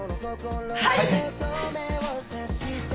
はい！